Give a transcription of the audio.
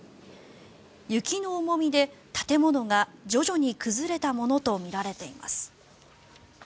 雪の重みで建物が徐々に崩れたものとみられています。